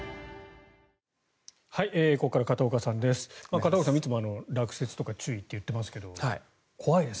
ここからは片岡さんです。